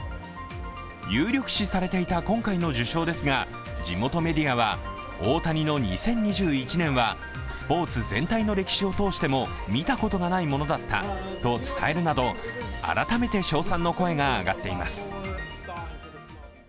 有力視されていた今回の受賞ですが、地元メディアはオオタニの２０２１年はスポーツ全体の歴史を通しても見たことがないものだったと伝えるなど、改めて称賛の声が上がっています。